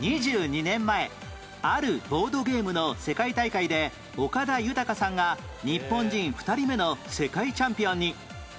２２年前あるボードゲームの世界大会で岡田豊さんが日本人２人目の世界チャンピオンに